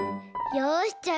よしじゃあ